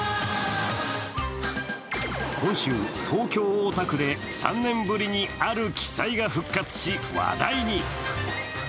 今週、東京・大田区で３年ぶりにある奇祭が復活し、話題に。